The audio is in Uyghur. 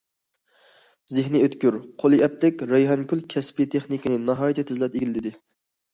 زېھنى ئۆتكۈر، قولى ئەپلىك رەيھانگۈل كەسپىي تېخنىكىنى ناھايىتى تېزلا ئىگىلىدى.